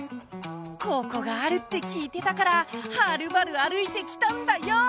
「ここがあるって聞いてたからはるばる歩いて来たんだよ！